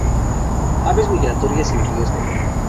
Aves migratorias en riesgo.